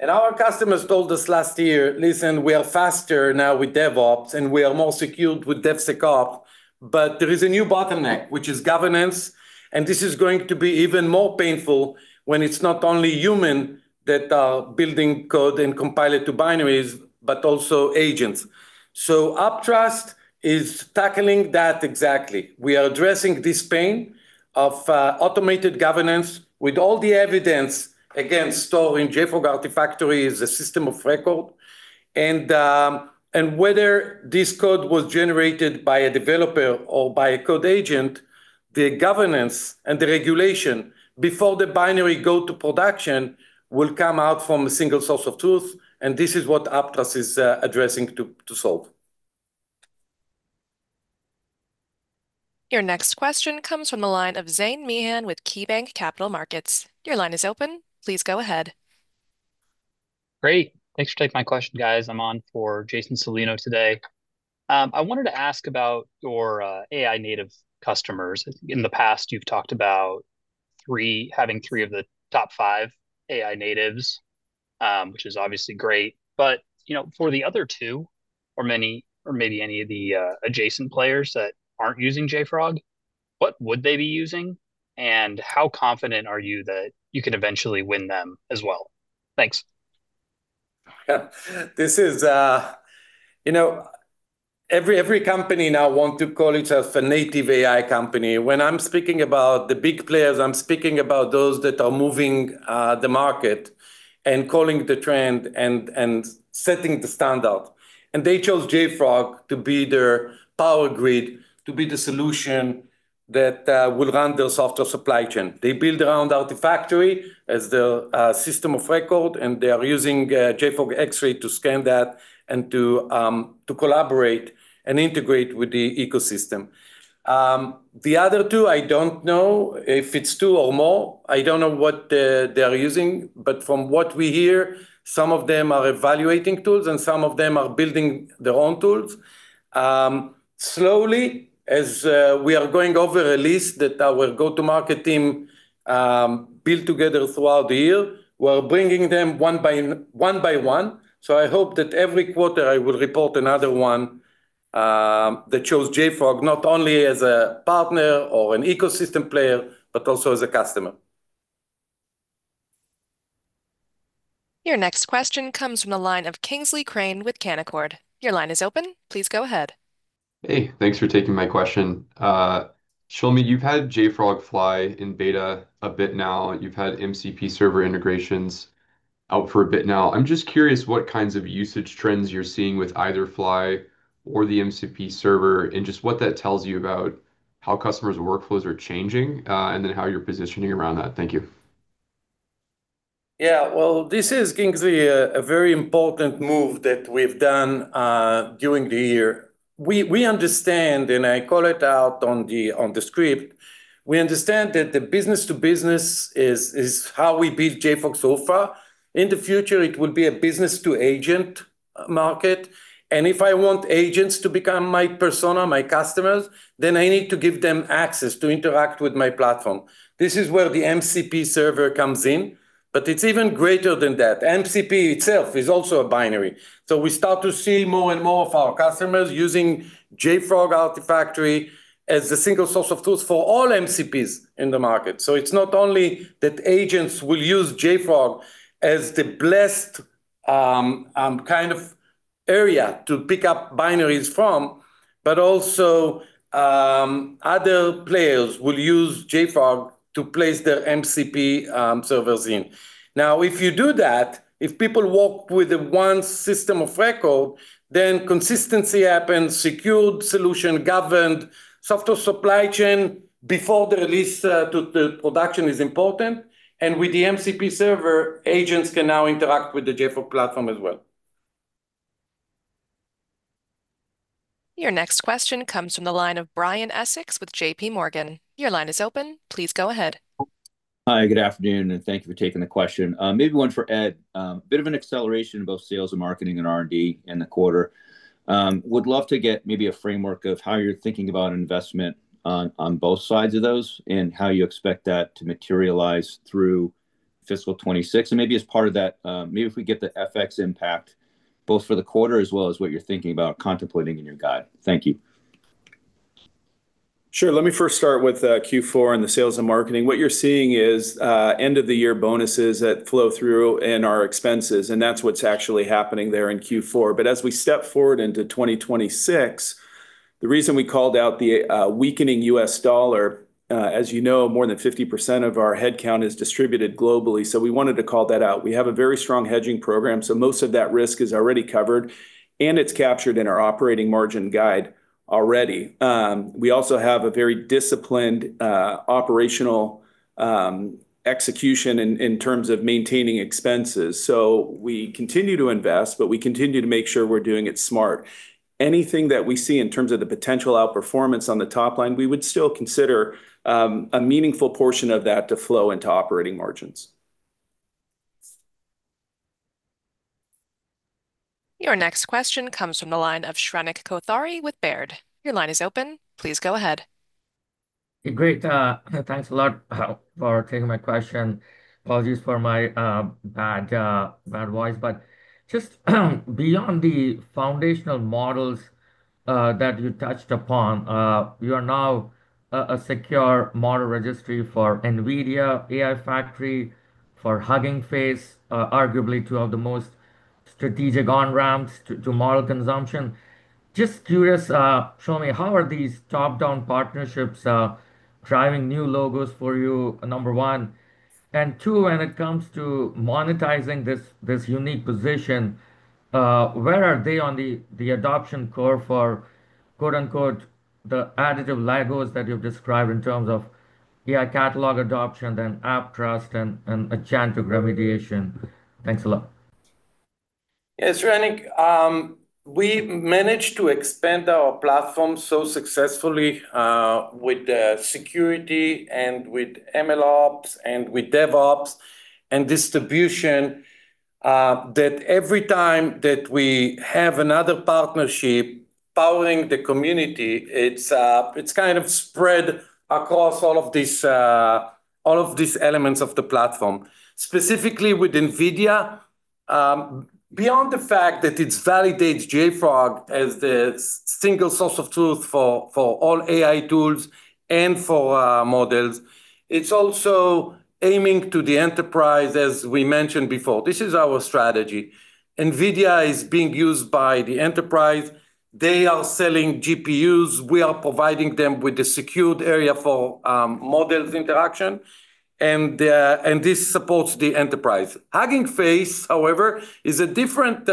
Our customers told us last year, "Listen, we are faster now with DevOps, and we are more secured with DevSecOps, but there is a new bottleneck, which is governance, and this is going to be even more painful when it's not only human that are building code and compile it to binaries, but also agents." AppTrust is tackling that exactly. We are addressing this pain of automated governance with all the evidence, again, stored in JFrog Artifactory as a system of record. And whether this code was generated by a developer or by a code agent, the governance and the regulation before the binary go to production will come out from a single source of truth, and this is what AppTrust is addressing to solve. Your next question comes from the line of Zane Meehan with KeyBanc Capital Markets. Your line is open, please go ahead. Great. Thanks for taking my question, guys. I'm on for Jason Celino today. I wanted to ask about your AI native customers. In the past, you've talked about having three of the top five AI natives, which is obviously great, but, you know, for the other two, or maybe any of the adjacent players that aren't using JFrog, what would they be using? And how confident are you that you can eventually win them as well? Thanks. This is. You know, every company now want to call itself a native AI company. When I'm speaking about the big players, I'm speaking about those that are moving the market and calling the trend, and setting the standard. And they chose JFrog to be their power grid, to be the solution that will run their software supply chain. They build around Artifactory as the system of record, and they are using JFrog Xray to scan that and to collaborate and integrate with the ecosystem. The other two, I don't know if it's two or more, I don't know what they are using, but from what we hear, some of them are evaluating tools, and some of them are building their own tools. Slowly, as we are going over a list that our go-to-market team built together throughout the year, we're bringing them one by one. So I hope that every quarter I will report another one that chose JFrog, not only as a partner or an ecosystem player, but also as a customer. Your next question comes from the line of Kingsley Crane with Canaccord. Your line is open, please go ahead. Hey, thanks for taking my question. Shlomi, you've had JFrog Fly in beta a bit now, you've had MCP server integrations out for a bit now. I'm just curious what kinds of usage trends you're seeing with either Fly or the MCP server, and just what that tells you about how customers' workflows are changing, and then how you're positioning around that. Thank you. Yeah, well, this is, Kingsley, a very important move that we've done during the year. We understand, and I call it out on the script, we understand that the business-to-business is how we build JFrog so far. In the future, it will be a business-to-agent market, and if I want agents to become my persona, my customers, then I need to give them access to interact with my platform. This is where the MCP server comes in, but it's even greater than that. MCP itself is also a binary. So we start to see more and more of our customers using JFrog Artifactory as the single source of truth for all MCPs in the market. So it's not only that agents will use JFrog as the blessed kind of area to pick up binaries from, but also other players will use JFrog to place their MCP servers in. Now, if you do that, if people work with the one system of record, then consistency happens, secured solution, governed software supply chain before the release to production is important, and with the MCP server, agents can now interact with the JFrog platform as well. Your next question comes from the line of Brian Essex with JPMorgan. Your line is open. Please go ahead. Hi, good afternoon, and thank you for taking the question. Maybe one for Ed. A bit of an acceleration in both sales and marketing and R&D in the quarter. Would love to get maybe a framework of how you're thinking about investment on, on both sides of those, and how you expect that to materialize through fiscal 2026. And maybe as part of that, maybe if we get the FX impact both for the quarter as well as what you're thinking about contemplating in your guide. Thank you. Sure. Let me first start with Q4 and the sales and marketing. What you're seeing is end of the year bonuses that flow through in our expenses, and that's what's actually happening there in Q4. But as we step forward into 2026, the reason we called out the weakening U.S. dollar, as you know, more than 50% of our headcount is distributed globally, so we wanted to call that out. We have a very strong hedging program, so most of that risk is already covered, and it's captured in our operating margin guide already. We also have a very disciplined operational execution in terms of maintaining expenses. So we continue to invest, but we continue to make sure we're doing it smart. Anything that we see in terms of the potential outperformance on the top line, we would still consider a meaningful portion of that to flow into operating margins. Your next question comes from the line of Shrenik Kothari with Baird. Your line is open. Please go ahead. Great. Thanks a lot for taking my question. Apologies for my bad voice, but just beyond the foundational models that you touched upon, you are now a secure model registry for NVIDIA AI Factory, for Hugging Face, arguably two of the most strategic on-ramps to model consumption. Just curious, Shlomi, how are these top-down partnerships driving new logos for you, number one? And two, when it comes to monetizing this unique position, where are they on the adoption curve for, quote, unquote, "the additive logos that you've described in terms of AI Catalog adoption, and AppTrust, and agentic remediation?" Thanks a lot. Yeah, Shrenik, we managed to expand our platform so successfully, with the security and with MLOps, and with DevOps, and distribution, that every time that we have another partnership powering the community, it's, it's kind of spread across all of these, all of these elements of the platform. Specifically with NVIDIA, beyond the fact that it validates JFrog as the single source of truth for, for all AI tools and for, models, it's also aiming to the enterprise, as we mentioned before. This is our strategy. NVIDIA is being used by the enterprise. They are selling GPUs. We are providing them with a secured area for, models interaction, and, and this supports the enterprise. Hugging Face, however, is a different,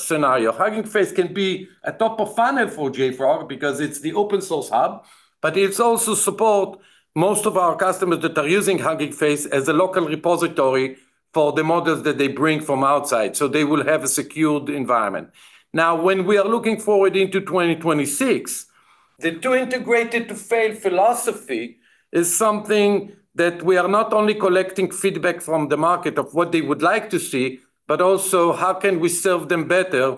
scenario. Hugging Face can be a top of funnel for JFrog because it's the open source hub, but it's also support most of our customers that are using Hugging Face as a local repository for the models that they bring from outside, so they will have a secured environment. Now, when we are looking forward into 2026, the two integrated to fail philosophy is something that we are not only collecting feedback from the market of what they would like to see, but also how can we serve them better,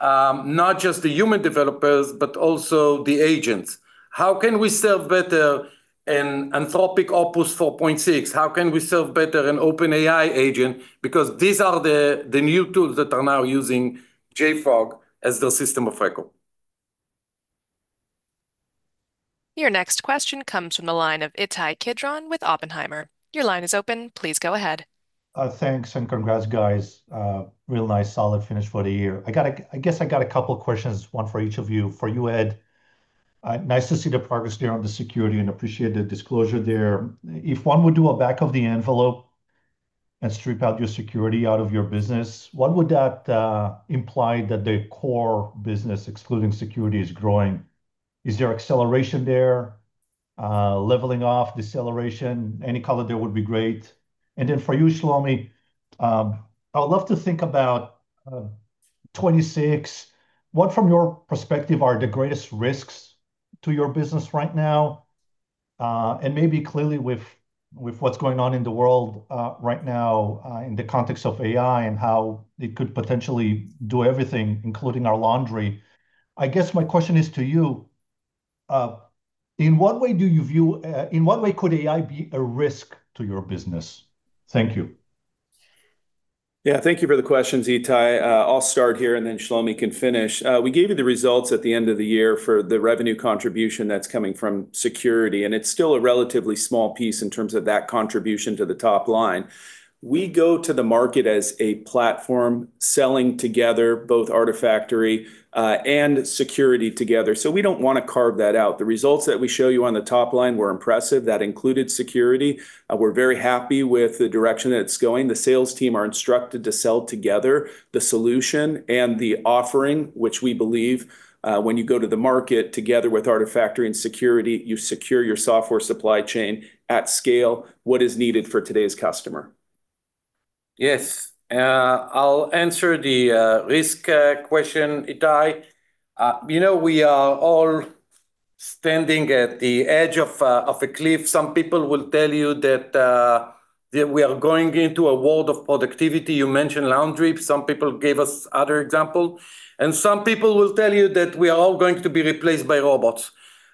not just the human developers, but also the agents. How can we serve better an Anthropic Opus 4.6? How can we serve better an OpenAI agent? Because these are the, the new tools that are now using JFrog as their system of record. Your next question comes from the line of Ittai Kidron with Oppenheimer. Your line is open. Please go ahead. Thanks, and congrats, guys. Real nice, solid finish for the year. I guess I got a couple questions, one for each of you. For you, Ed, nice to see the progress there on the security and appreciate the disclosure there. If one would do a back of the envelope and strip out your security out of your business, what would that imply that the core business, excluding security, is growing? Is there acceleration there, leveling off, deceleration? Any color there would be great. And then for you, Shlomi, I would love to think about 2026. What, from your perspective, are the greatest risks to your business right now? And maybe clearly with what's going on in the world right now, in the context of AI and how it could potentially do everything, including our laundry. I guess my question is to you, in what way could AI be a risk to your business? Thank you. Yeah, thank you for the questions, Ittai. I'll start here, and then Shlomi can finish. We gave you the results at the end of the year for the revenue contribution that's coming from security, and it's still a relatively small piece in terms of that contribution to the top line. We go to the market as a platform, selling together both Artifactory and security together, so we don't want to carve that out. The results that we show you on the top line were impressive. That included security. We're very happy with the direction that it's going. The sales team are instructed to sell together the solution and the offering, which we believe, when you go to the market together with Artifactory and security, you secure your software supply chain at scale, what is needed for today's customer? Yes, I'll answer the risk question, Ittai. You know, we are all standing at the edge of a cliff. Some people will tell you that we are going into a world of productivity. You mentioned laundry, some people gave us other example, and some people will tell you that we are all going to be replaced by robots.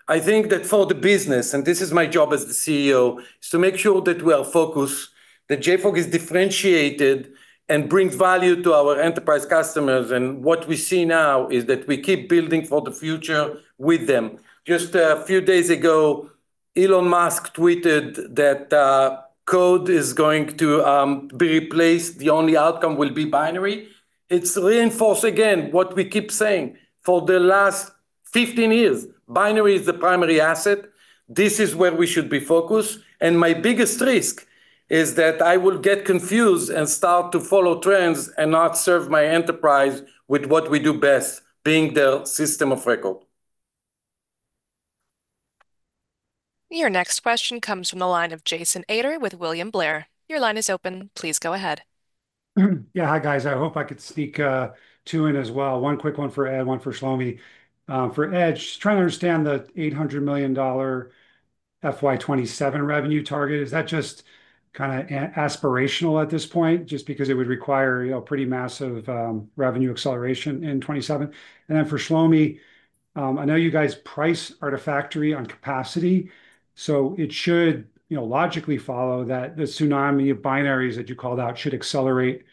I think that for the business, and this is my job as the CEO, is to make sure that we are focused, that JFrog is differentiated, and brings value to our enterprise customers, and what we see now is that we keep building for the future with them. Just a few days ago, Elon Musk tweeted that code is going to be replaced, the only outcome will be binary. It reinforces, again, what we keep saying for the last 15 years, binary is the primary asset. This is where we should be focused, and my biggest risk is that I will get confused and start to follow trends, and not serve my enterprise with what we do best, being the system of record. Your next question comes from the line of Jason Ader with William Blair. Your line is open. Please go ahead. Yeah. Hi, guys. I hope I could sneak two in as well. One quick one for Ed, one for Shlomi. For Ed, just trying to understand the $800 million FY 2027 revenue target. Is that just kinda aspirational at this point? Just because it would require, you know, pretty massive revenue acceleration in '2027. And then for Shlomi, I know you guys price Artifactory on capacity, so it should, you know, logically follow that the tsunami of binaries that you called out should accelerate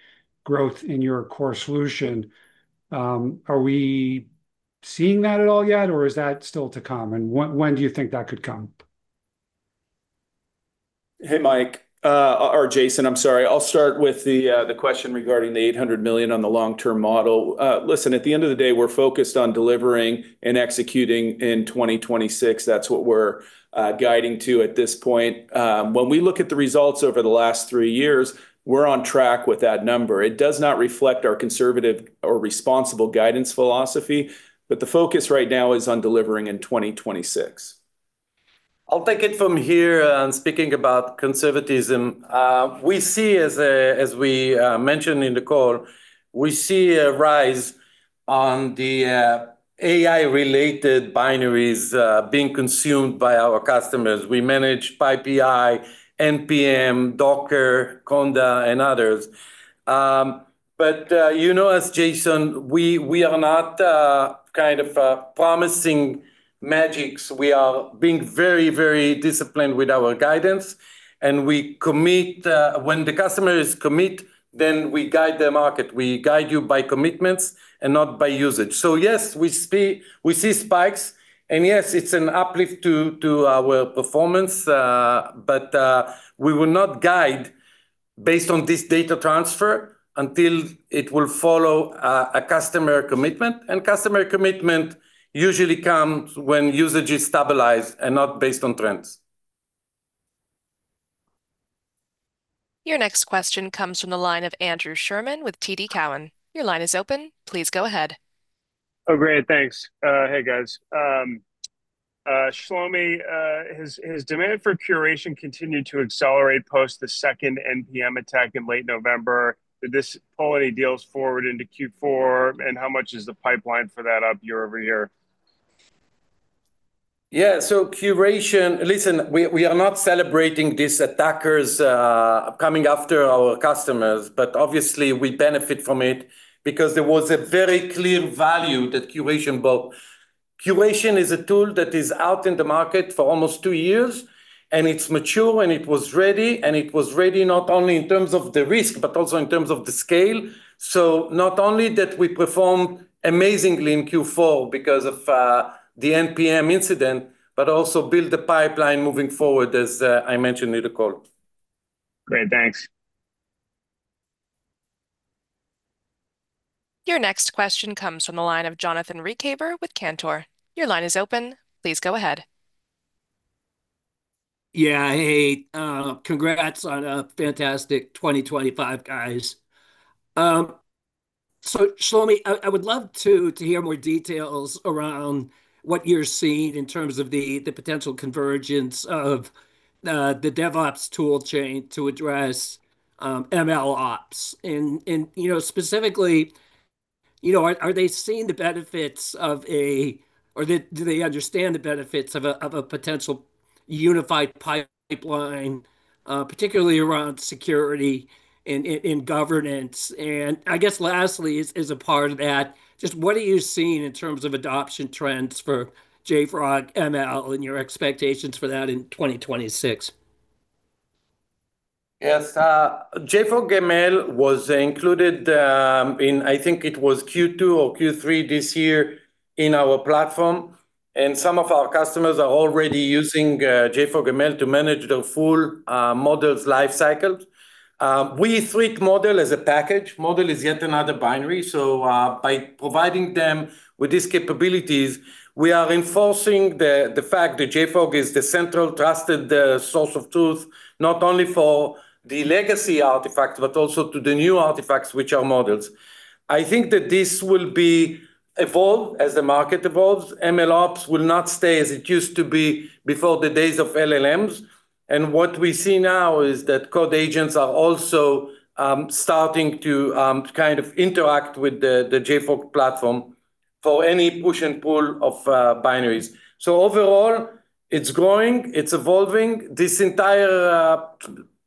growth in your core solution. Are we seeing that at all yet, or is that still to come, and when do you think that could come? Hey, Mike, or Jason, I'm sorry. I'll start with the, the question regarding the $800 million on the long-term model. Listen, at the end of the day, we're focused on delivering and executing in 2026. That's what we're guiding to at this point. When we look at the results over the last three years, we're on track with that number. It does not reflect our conservative or responsible guidance philosophy, but the focus right now is on delivering in 2026. I'll take it from here. Speaking about conservatism, we see as, as we mentioned in the call, we see a rise on the AI-related binaries being consumed by our customers. We manage PyPI, npm, Docker, Conda, and others. But you know, as Jason, we are not kind of promising magics. We are being very, very disciplined with our guidance, and we commit. When the customers commit, then we guide the market. We guide you by commitments and not by usage. So yes, we see spikes, and yes, it's an uplift to our performance, but we will not guide based on this data transfer until it will follow a customer commitment, and customer commitment usually comes when usage is stabilized and not based on trends. Your next question comes from the line of Andrew Sherman with TD Cowen. Your line is open. Please go ahead. Oh, great. Thanks. Hey, guys. Shlomi, has demand for Curation continued to accelerate post the second npm attack in late November? Did this pull any deals forward into Q4, and how much is the pipeline for that up year over year? Yeah, so Curation... Listen, we, we are not celebrating these attackers, coming after our customers, but obviously, we benefit from it because there was a very clear value that Curation bought. Curation is a tool that is out in the market for almost two years, and it's mature, and it was ready, and it was ready not only in terms of the risk, but also in terms of the scale. So not only that we perform amazingly in Q4 because of, the npm incident, but also build the pipeline moving forward, as, I mentioned in the call. Great. Thanks. Your next question comes from the line of Jonathan Ruykhaver with Cantor Fitzgerald. Your line is open. Please go ahead. Yeah. Hey, congrats on a fantastic 2025, guys. So Shlomi, I would love to hear more details around what you're seeing in terms of the potential convergence of the DevOps tool chain to address MLOps. And you know, specifically, you know, are they seeing the benefits of or do they understand the benefits of a potential unified pipeline, particularly around security and governance? And I guess lastly, as a part of that, just what are you seeing in terms of adoption trends for JFrog ML, and your expectations for that in 2026? Yes, JFrog ML was included in, I think it was Q2 or Q3 this year, in our platform, and some of our customers are already using JFrog ML to manage their full models life cycle. We treat model as a package. Model is yet another binary, so by providing them with these capabilities, we are enforcing the fact that JFrog is the central trusted source of truth, not only for the legacy artifacts, but also to the new artifacts, which are models. I think that this will be evolved as the market evolves. MLOps will not stay as it used to be before the days of LLMs, and what we see now is that code agents are also starting to kind of interact with the JFrog platform for any push and pull of binaries. So overall, it's growing, it's evolving. This entire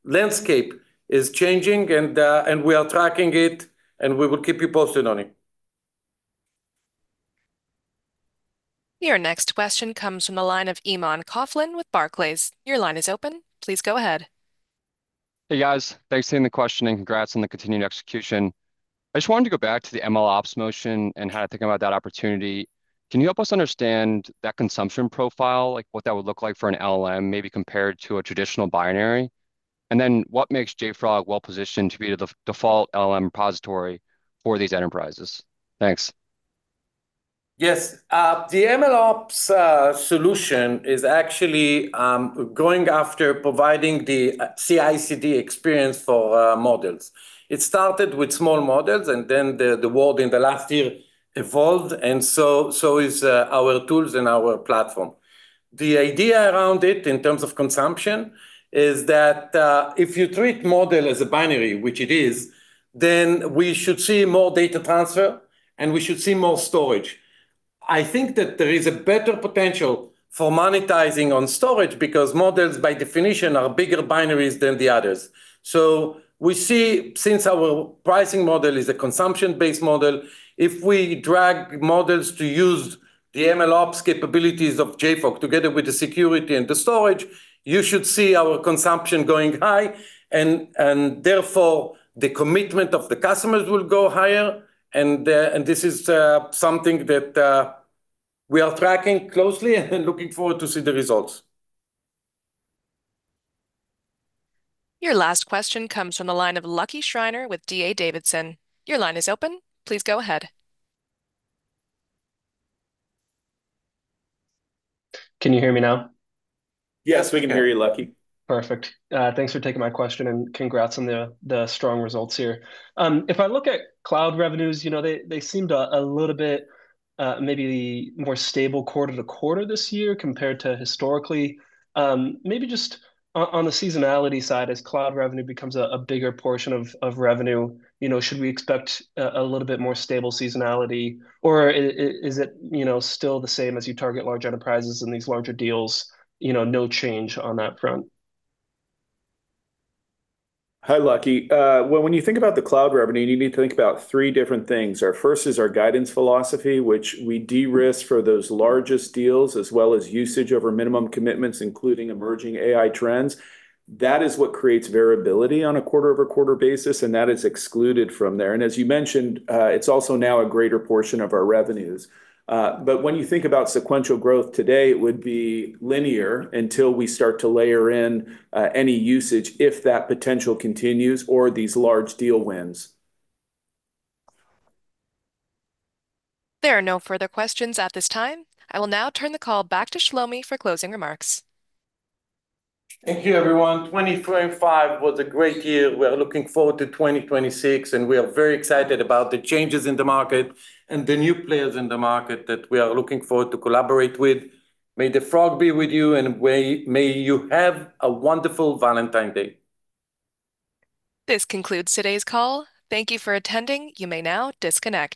landscape is changing, and we are tracking it, and we will keep you posted on it. Your next question comes from the line of Eamon Coughlin with Barclays. Your line is open, please go ahead. Hey, guys. Thanks for taking the question, and congrats on the continued execution. I just wanted to go back to the MLOps motion and how to think about that opportunity. Can you help us understand that consumption profile, like what that would look like for an LLM, maybe compared to a traditional binary? And then what makes JFrog well-positioned to be the default LLM repository for these enterprises? Thanks. Yes, the MLOps solution is actually going after providing the CI/CD experience for models. It started with small models, and then the world in the last year evolved, and so is our tools and our platform. The idea around it, in terms of consumption, is that if you treat model as a binary, which it is, then we should see more data transfer, and we should see more storage. I think that there is a better potential for monetizing on storage, because models, by definition, are bigger binaries than the others. So we see, since our pricing model is a consumption-based model, if we drag models to use the MLOps capabilities of JFrog, together with the security and the storage, you should see our consumption going high, and therefore, the commitment of the customers will go higher. This is something that we are tracking closely and looking forward to see the results. Your last question comes from the line of Lucky Schreiner with D.A. Davidson. Your line is open. Please go ahead. Can you hear me now? Yes, we can hear you, Lucky. Perfect. Thanks for taking my question, and congrats on the strong results here. If I look at cloud revenues, you know, they seemed a little bit maybe more stable quarter to quarter this year compared to historically. Maybe just on the seasonality side, as cloud revenue becomes a bigger portion of revenue, you know, should we expect a little bit more stable seasonality, or is it, you know, still the same as you target large enterprises and these larger deals, you know, no change on that front? Hi, Lucky. Well, when you think about the cloud revenue, you need to think about three different things. Our first is our guidance philosophy, which we de-risk for those largest deals, as well as usage over minimum commitments, including emerging AI trends. That is what creates variability on a quarter-over-quarter basis, and that is excluded from there. As you mentioned, it's also now a greater portion of our revenues. But when you think about sequential growth today, it would be linear until we start to layer in any usage, if that potential continues or these large deal wins. There are no further questions at this time. I will now turn the call back to Shlomi for closing remarks. Thank you, everyone. 2025 was a great year. We are looking forward to 2026, and we are very excited about the changes in the market and the new players in the market that we are looking forward to collaborate with. May the Frog be with you, and may you have a wonderful Valentine's Day. This concludes today's call. Thank you for attending. You may now disconnect.